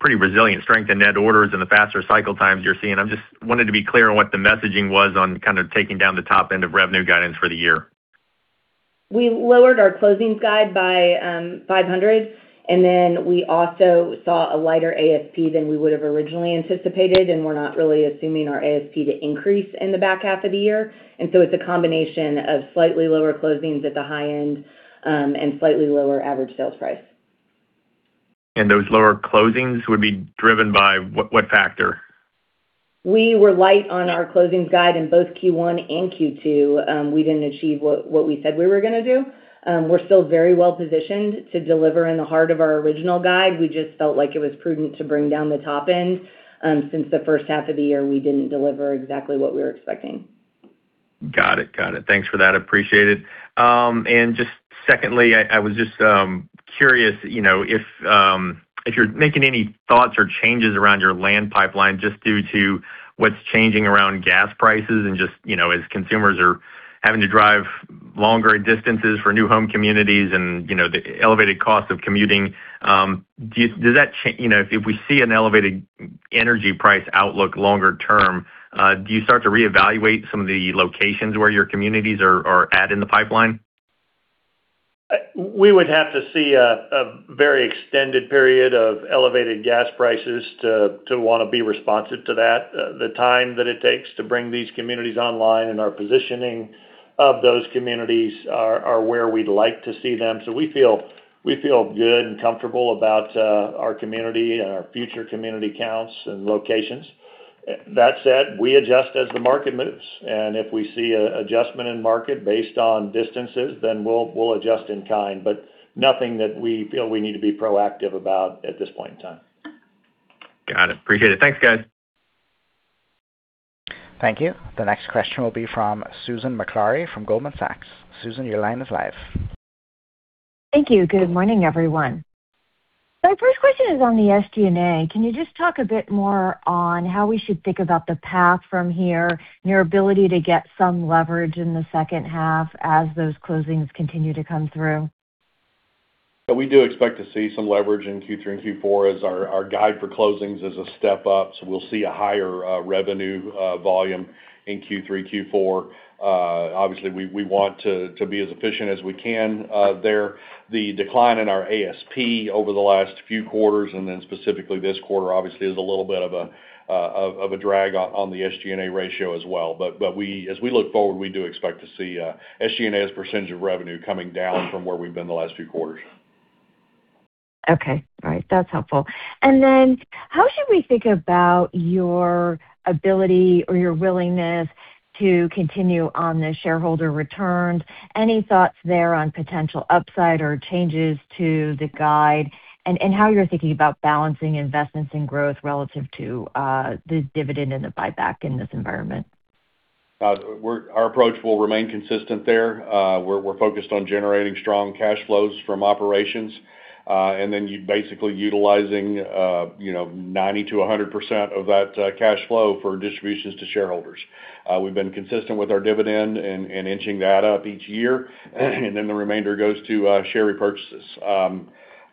pretty resilient strength in net orders and the faster cycle times you're seeing, I'm just wanting to be clear on what the messaging was on kind of taking down the top end of revenue guidance for the year. We lowered our closings guide by 500, and then we also saw a lighter ASP than we would have originally anticipated, and we're not really assuming our ASP to increase in the back half of the year. It's a combination of slightly lower closings at the high end, and slightly lower average sales price. Those lower closings would be driven by what factor? We were light on our closings guide in both Q1 and Q2. We didn't achieve what we said we were going to do. We're still very well-positioned to deliver in the heart of our original guide. We just felt like it was prudent to bring down the top end, since the first half of the year, we didn't deliver exactly what we were expecting. Got it. Thanks for that. Appreciate it. Just secondly, I was just curious if you're making any thoughts or changes around your land pipeline just due to what's changing around gas prices and just as consumers are having to drive longer distances for new home communities and the elevated cost of commuting. If we see an elevated energy price outlook longer term, do you start to reevaluate some of the locations where your communities are at in the pipeline? We would have to see a very extended period of elevated gas prices to want to be responsive to that. The time that it takes to bring these communities online and our positioning of those communities are where we'd like to see them. We feel good and comfortable about our community and our future community counts and locations. That said, we adjust as the market moves, and if we see an adjustment in market based on distances, then we'll adjust in kind. Nothing that we feel we need to be proactive about at this point in time. Got it. Appreciate it. Thanks, guys. Thank you. The next question will be from Susan Maklari from Goldman Sachs. Susan, your line is live. Thank you. Good morning, everyone. My first question is on the SG&A. Can you just talk a bit more on how we should think about the path from here and your ability to get some leverage in the second half as those closings continue to come through? We do expect to see some leverage in Q3 and Q4 as our guide for closings is a step up, so we'll see a higher revenue volume in Q3, Q4. Obviously, we want to be as efficient as we can there. The decline in our ASP over the last few quarters and then specifically this quarter obviously is a little bit of a drag on the SG&A ratio as well. As we look forward, we do expect to see SG&A as a percentage of revenue coming down from where we've been the last few quarters. Okay. All right. That's helpful. How should we think about your ability or your willingness to continue on the shareholder returns? Any thoughts there on potential upside or changes to the guide and how you're thinking about balancing investments in growth relative to the dividend and the buyback in this environment? Our approach will remain consistent there. We're focused on generating strong cash flows from operations, and then basically utilizing 90%-100% of that cash flow for distributions to shareholders. We've been consistent with our dividend and inching that up each year, and then the remainder goes to share repurchases.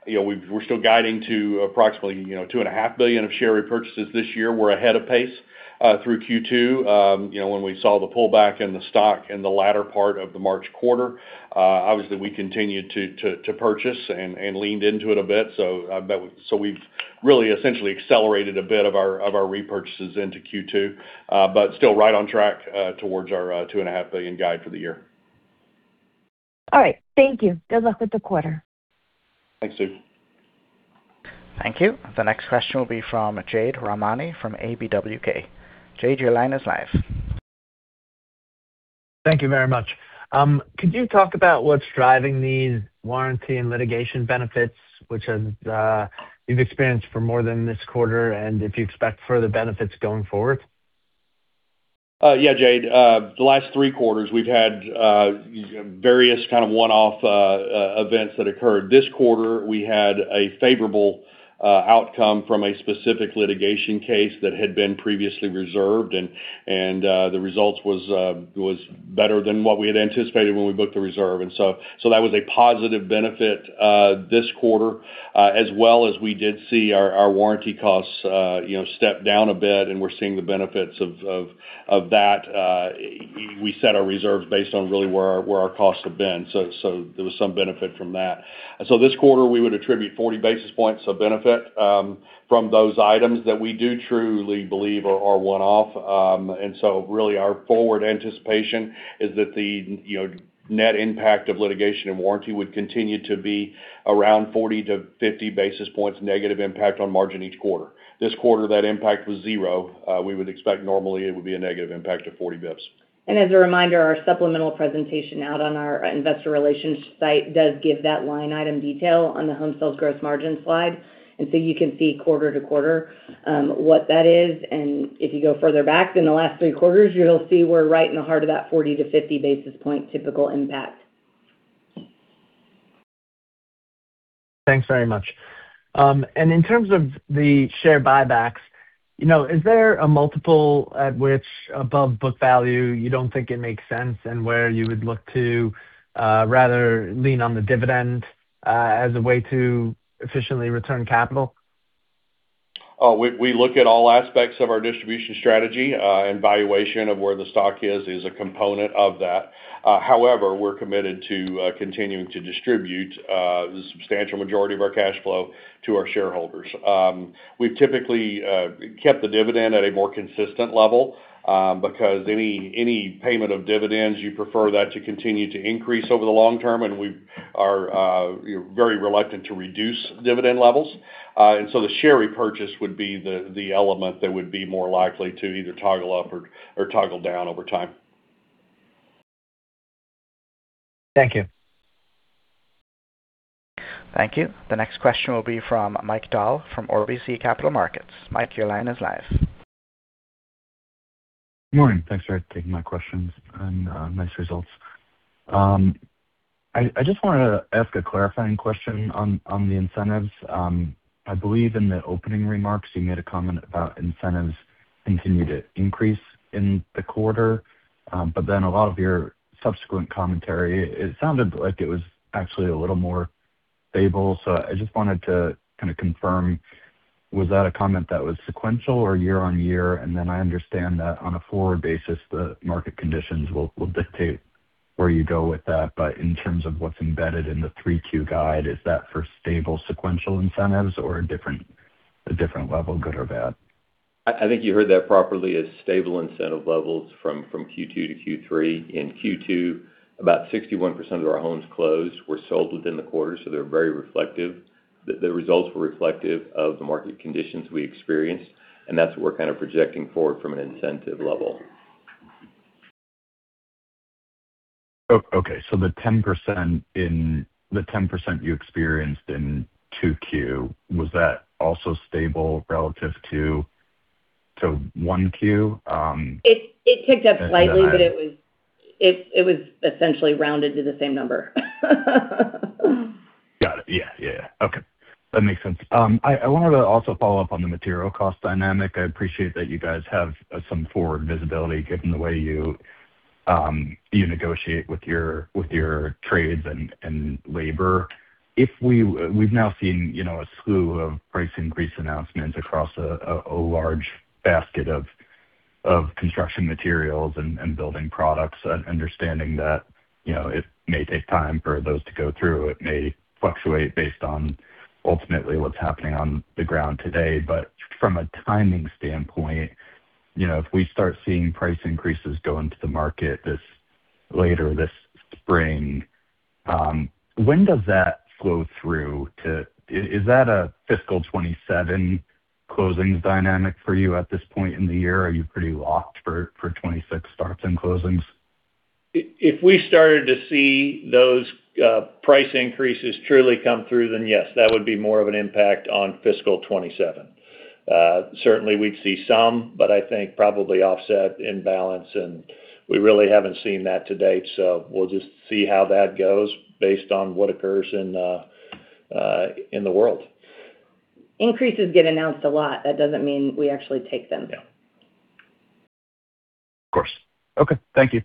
We're still guiding to approximately $2.5 billion of share repurchases this year. We're ahead of pace through Q2. When we saw the pullback in the stock in the latter part of the March quarter, obviously we continued to purchase and leaned into it a bit. We've really essentially accelerated a bit of our repurchases into Q2, but still right on track towards our $2.5 billion guide for the year. All right. Thank you. Good luck with the quarter. Thanks, Susan. Thank you. The next question will be from Jade Rahmani from KBW. Jade, your line is live. Thank you very much. Could you talk about what's driving these warranty and litigation benefits, which you've experienced for more than this quarter, and if you expect further benefits going forward? Yeah, Jade. The last three quarters, we've had various kind of one-off events that occurred. This quarter, we had a favorable outcome from a specific litigation case that had been previously reserved, and the result was better than what we had anticipated when we booked the reserve. That was a positive benefit this quarter, as well as we did see our warranty costs step down a bit, and we're seeing the benefits of that. We set our reserves based on really where our costs have been. There was some benefit from that. This quarter, we would attribute 40 basis points of benefit from those items that we do truly believe are one-off. Really our forward anticipation is that the net impact of litigation and warranty would continue to be around 40-50 basis points negative impact on margin each quarter. This quarter, that impact was zero. We would expect normally it would be a negative impact of 40 basis points. As a reminder, our supplemental presentation out on our Investor Relations site does give that line item detail on the home sales growth margin slide. You can see quarter-over-quarter what that is, and if you go further back than the last three quarters, you'll see we're right in the heart of that 40-50 basis points typical impact. Thanks very much. In terms of the share buybacks, is there a multiple at which above book value you don't think it makes sense, and where you would look to rather lean on the dividend as a way to efficiently return capital? We look at all aspects of our distribution strategy, and valuation of where the stock is a component of that. However, we're committed to continuing to distribute the substantial majority of our cash flow to our shareholders. We've typically kept the dividend at a more consistent level because any payment of dividends, you prefer that to continue to increase over the long term, and we are very reluctant to reduce dividend levels. The share repurchase would be the element that would be more likely to either toggle up or toggle down over time. Thank you. Thank you. The next question will be from Mike Dahl from RBC Capital Markets. Mike, your line is live. Good morning. Thanks for taking my questions, and nice results. I just want to ask a clarifying question on the incentives. I believe in the opening remarks, you made a comment about incentives continue to increase in the quarter. A lot of your subsequent commentary, it sounded like it was actually a little more stable. I just wanted to kind of confirm, was that a comment that was sequential or year-over-year? I understand that on a forward basis, the market conditions will dictate where you go with that. In terms of what's embedded in the 3Q guide, is that for stable sequential incentives or a different level, good or bad? I think you heard that properly as stable incentive levels from Q2 to Q3. In Q2, about 61% of our homes closed were sold within the quarter, so they're very reflective. The results were reflective of the market conditions we experienced, and that's what we're kind of projecting forward from an incentive level. Okay. The 10% you experienced in 2Q, was that also stable relative to 1Q? It ticked up slightly, but it was essentially rounded to the same number. Got it. Yeah. Okay. That makes sense. I wanted to also follow up on the material cost dynamic. I appreciate that you guys have some forward visibility given the way you negotiate with your trades and labor. We've now seen a slew of price increase announcements across a large basket of construction materials and building products, understanding that it may take time for those to go through. It may fluctuate based on ultimately what's happening on the ground today. From a timing standpoint, if we start seeing price increases go into the market later this spring, when does that flow through to closings? Is that a fiscal 2027 closings dynamic for you at this point in the year? Are you pretty locked for 2026 starts and closings? If we started to see those price increases truly come through, then yes, that would be more of an impact on fiscal 2027. Certainly, we'd see some, but I think probably offset in balance, and we really haven't seen that to date. We'll just see how that goes based on what occurs in the world. Increases get announced a lot. That doesn't mean we actually take them. Yeah. Of course. Okay. Thank you.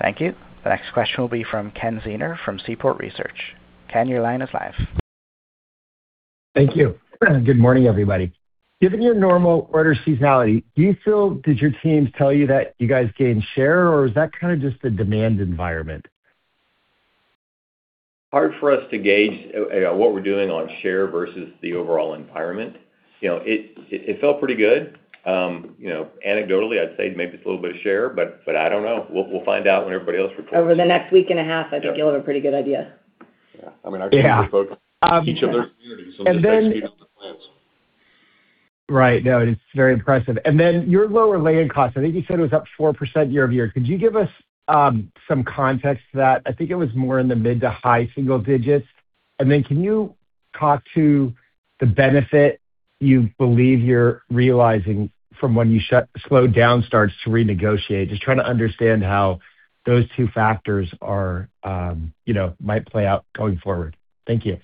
Thank you. The next question will be from Ken Zener from Seaport Research. Ken, your line is live. Thank you. Good morning, everybody. Given your normal order seasonality, do you feel, did your teams tell you that you guys gained share, or is that kind of just the demand environment? Hard for us to gauge what we're doing on share versus the overall environment. It felt pretty good. Anecdotally, I'd say maybe it's a little bit of share, but I don't know. We'll find out when everybody else reports. Over the next week and a half, I think you'll have a pretty good idea. Yeah. Our team is focused on each of their communities- Yeah. ...just execute on the plans. Right. No, it's very impressive. Your lower land costs, I think you said it was up 4% year-over-year. Could you give us some context to that? I think it was more in the mid- to high-single digits. Can you talk to the benefit you believe you're realizing from when you slowed down starts to renegotiate? Just trying to understand how those two factors might play out going forward. Thank you.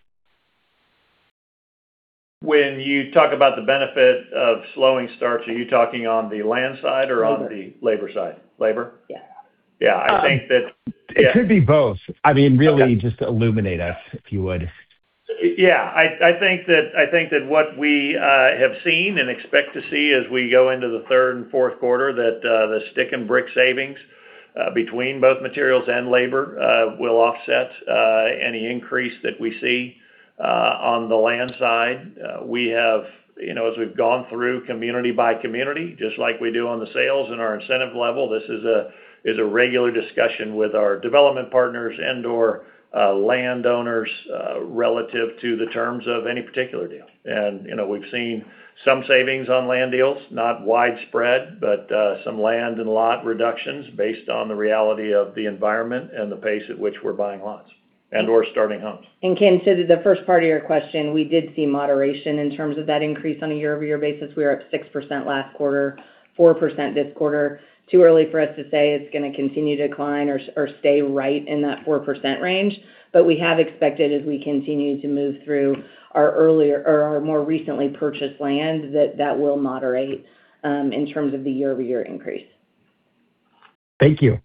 When you talk about the benefit of slowing starts, are you talking on the land side or on the labor side? Labor. Yeah. Yeah. I think that. It could be both. I mean, really. Okay Just illuminate us, if you would. Yeah. I think that what we have seen and expect to see as we go into the third and fourth quarter, that the stick and brick savings, between both materials and labor, will offset any increase that we see on the land side. As we've gone through community by community, just like we do on the sales and our incentive level, this is a regular discussion with our development partners and/or landowners relative to the terms of any particular deal. We've seen some savings on land deals, not widespread, but some land and lot reductions based on the reality of the environment and the pace at which we're buying lots and/or starting homes. Ken, to the first part of your question, we did see moderation in terms of that increase on a year-over-year basis. We were up 6% last quarter, 4% this quarter. Too early for us to say it's going to continue to decline or stay right in that 4% range. We have expected as we continue to move through our more recently purchased land, that that will moderate in terms of the year-over-year increase. Thank you.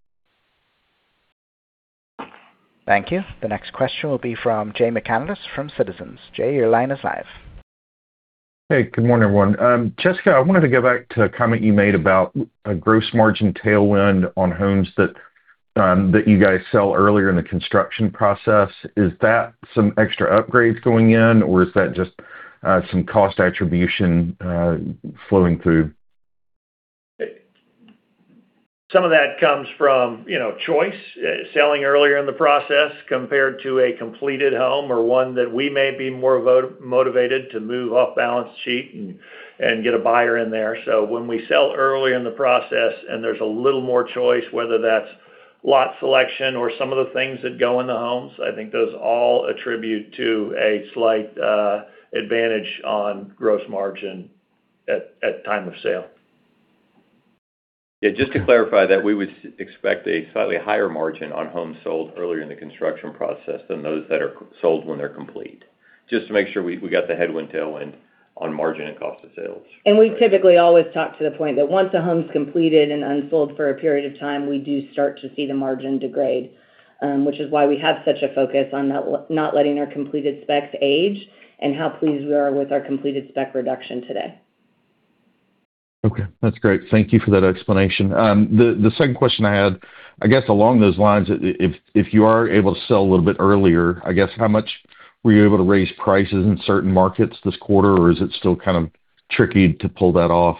Thank you. The next question will be from Jay McCanless from Citizens. Jay, your line is live. Hey, good morning, everyone. Jessica, I wanted to go back to a comment you made about a gross margin tailwind on homes that you guys sell earlier in the construction process. Is that some extra upgrades going in, or is that just some cost attribution flowing through? Some of that comes from choice, selling earlier in the process compared to a completed home or one that we may be more motivated to move off balance sheet and get a buyer in there. When we sell early in the process and there's a little more choice, whether that's lot selection or some of the things that go in the homes, I think those all attribute to a slight advantage on gross margin at time of sale. Yeah, just to clarify that we would expect a slightly higher margin on homes sold earlier in the construction process than those that are sold when they're complete. Just to make sure we got the headwind/tailwind on margin and cost of sales. We typically always talk to the point that once a home's completed and unsold for a period of time, we do start to see the margin degrade, which is why we have such a focus on not letting our completed specs age and how pleased we are with our completed spec reduction today. Okay, that's great. Thank you for that explanation. The second question I had, I guess along those lines, if you are able to sell a little bit earlier, I guess, how much were you able to raise prices in certain markets this quarter, or is it still kind of tricky to pull that off?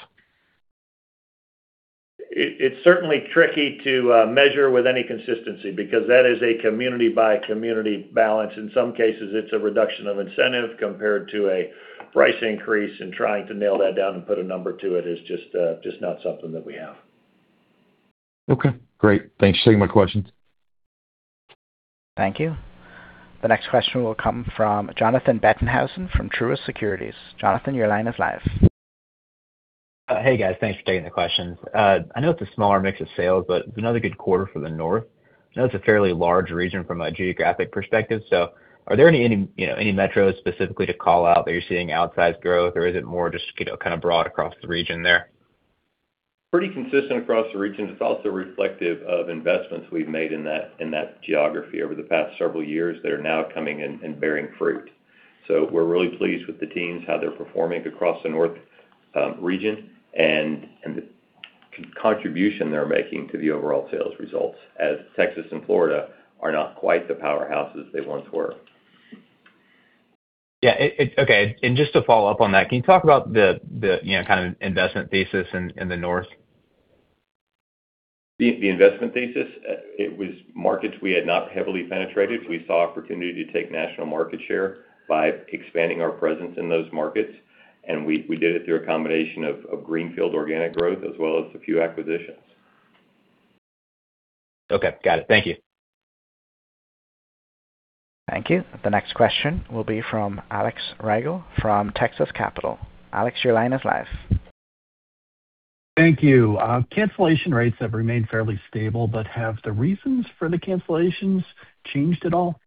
It's certainly tricky to measure with any consistency because that is a community by community balance. In some cases, it's a reduction of incentive compared to a price increase, and trying to nail that down and put a number to it is just not something that we have. Okay, great. Thanks for taking my questions. Thank you. The next question will come from Jonathan Bettenhausen from Truist Securities. Jonathan, your line is live. Hey, guys. Thanks for taking the questions. I know it's a smaller mix of sales, but it's another good quarter for the North. I know it's a fairly large region from a geographic perspective, so are there any metros specifically to call out that you're seeing outsized growth or is it more just kind of broad across the region there? Pretty consistent across the region. It's also reflective of investments we've made in that geography over the past several years that are now coming and bearing fruit. We're really pleased with the teams, how they're performing across the North region, and the contribution they're making to the overall sales results, as Texas and Florida are not quite the powerhouses they once were. Yeah. Okay. Just to follow up on that, can you talk about the kind of investment thesis in the North? The investment thesis, it was markets we had not heavily penetrated. We saw opportunity to take national market share by expanding our presence in those markets, and we did it through a combination of greenfield organic growth as well as a few acquisitions. Okay. Got it. Thank you. Thank you. The next question will be from Alex Rygiel from Texas Capital. Alex, your line is live. Thank you. Cancellation rates have remained fairly stable, but have the reasons for the cancellations changed at all?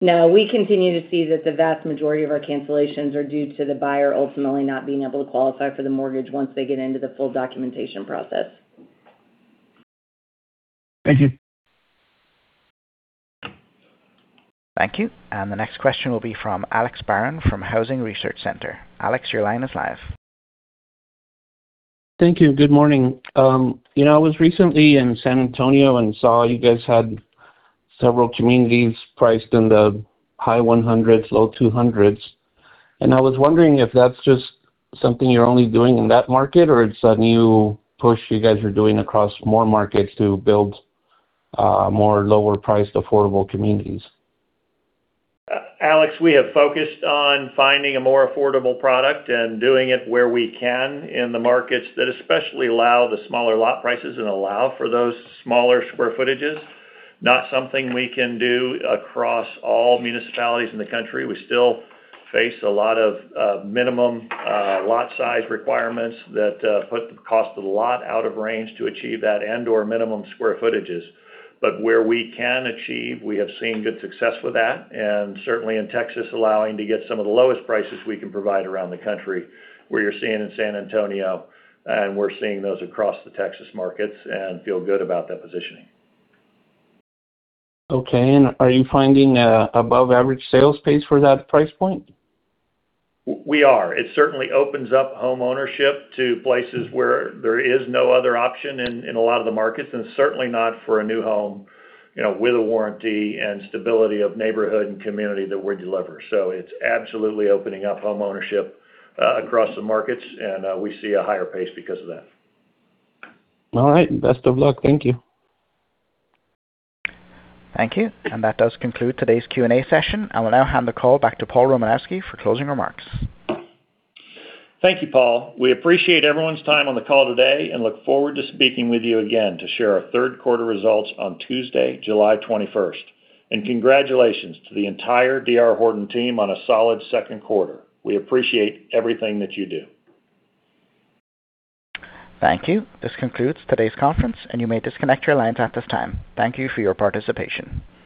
No, we continue to see that the vast majority of our cancellations are due to the buyer ultimately not being able to qualify for the mortgage once they get into the full documentation process. Thank you. Thank you. The next question will be from Alex Barron from Housing Research Center. Alex, your line is live. Thank you. Good morning. I was recently in San Antonio and saw you guys had several communities priced in the high $100s, low $200s, and I was wondering if that's just something you're only doing in that market or it's a new push you guys are doing across more markets to build more lower-priced affordable communities. Alex, we have focused on finding a more affordable product and doing it where we can in the markets that especially allow the smaller lot prices and allow for those smaller square footages. Not something we can do across all municipalities in the country. We still face a lot of minimum lot size requirements that put the cost of the lot out of range to achieve that and/or minimum square footages. Where we can achieve, we have seen good success with that, and certainly in Texas, allowing to get some of the lowest prices we can provide around the country, where you're seeing in San Antonio, and we're seeing those across the Texas markets and feel good about that positioning. Okay. Are you finding above average sales pace for that price point? We are. It certainly opens up homeownership to places where there is no other option in a lot of the markets, and certainly not for a new home, with a warranty and stability of neighborhood and community that we deliver. It's absolutely opening up homeownership across the markets, and we see a higher pace because of that. All right. Best of luck. Thank you. Thank you. That does conclude today's Q&A session. I will now hand the call back to Paul Romanowski for closing remarks. Thank you, Paul. We appreciate everyone's time on the call today and look forward to speaking with you again to share our third quarter results on Tuesday, July 21. Congratulations to the entire D.R. Horton team on a solid second quarter. We appreciate everything that you do. Thank you. This concludes today's conference, and you may disconnect your lines at this time. Thank you for your participation.